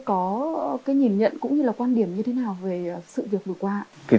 có cái nhìn nhận cũng như là quan điểm như thế nào về sự việc vừa qua ạ